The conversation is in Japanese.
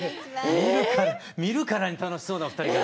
見るからに楽しそうなお二人が。